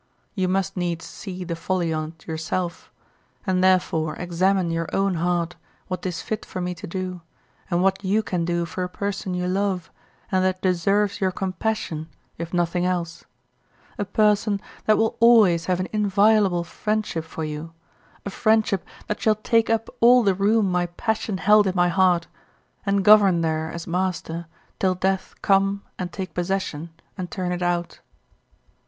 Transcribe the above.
You must needs see the folly on't yourself, and therefore examine your own heart what 'tis fit for me to do, and what you can do for a person you love, and that deserves your compassion if nothing else, a person that will always have an inviolable friendship for you, a friendship that shall take up all the room my passion held in my heart, and govern there as master, till death come and take possession and turn it out.